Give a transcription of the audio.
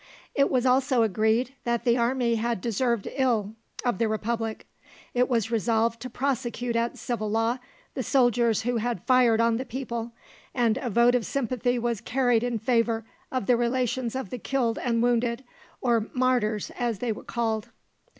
It was also agreed that the army had deserved ill of the Republic. It was resolved to prosecute at civil law the soldiers who had fired on the people, and a vote of sympathy was carried in favour of the relations of the killed and wounded, or martyrs as they were called.